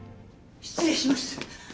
失礼します。